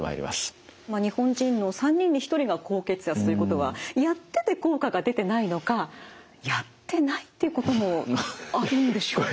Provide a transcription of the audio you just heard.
日本人の３人に１人が高血圧ということはやってて効果が出てないのかやってないということもあるんでしょうか？